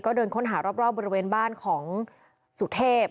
ก็เดินค้นหารอบบริเวณบ้านของสุเทพ